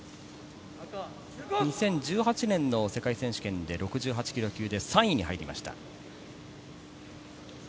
２０１８年の世界選手権で６８ｋｇ級で３位に入りました。